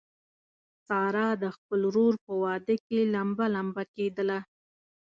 ساره د خپل ورور په واده کې لمبه لمبه کېدله.